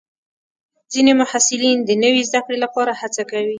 ځینې محصلین د نوي زده کړې لپاره هڅه کوي.